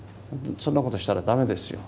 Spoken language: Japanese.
そんなことをしたら駄目ですよ。